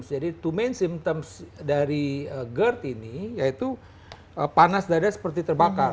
jadi dua simptom utama dari gerd ini yaitu panas dada seperti terbakar